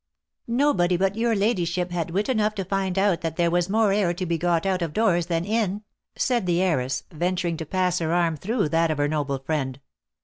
" Nobody but your ladyship had wit enough to find out that there was more air to be got out of doors than in," said the heiress, venturing to pass her arm through that of her noble friend.